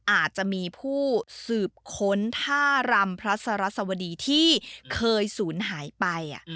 อาจจะมีผู้สืบค้นท่ารำพระสรัสวดีที่เคยศูนย์หายไป